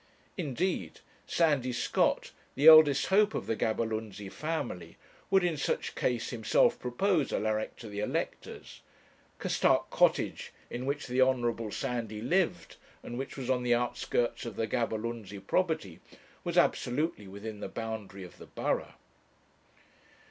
Indeed, Sandie Scott, the eldest hope of the Gaberlunzie family, would, in such case, himself propose Alaric to the electors. Ca'stalk Cottage, in which the Hon. Sandie lived, and which was on the outskirts of the Gaberlunzie property, was absolutely within the boundary of the borough.